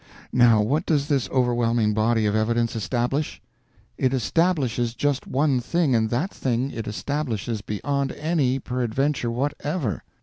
Now what does this overwhelming body of evidence establish? It establishes just one thing, and that thing it establishes beyond any peradventure whatever.